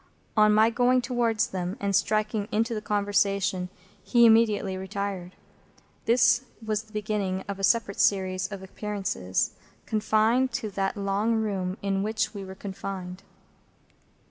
On my going towards them, and striking into the conversation, he immediately retired. This was the beginning of a separate series of appearances, confined to that long room in which we were confined.